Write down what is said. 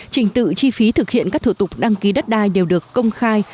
trình tự chi phí thực hiện các thủ tục đăng ký đất đai đều được công khai